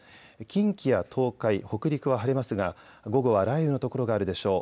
近畿や東海、北陸は晴れますが午後は雷雨の所があるでしょう。